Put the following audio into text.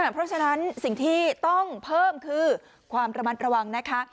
เพราะฉะนั้นสิ่งที่ต้องเพิ่มคือความระมัดระวังนะคะ